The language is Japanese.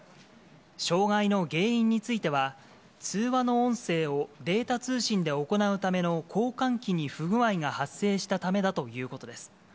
障害の原因については、通話の音声をデータ通信で行うための交換機に不具合が発生したためだということです。